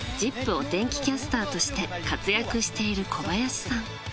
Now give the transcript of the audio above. お天気キャスターとして活躍している小林さん。